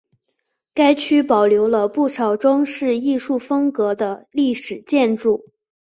该区保留了不少装饰艺术风格的历史建筑。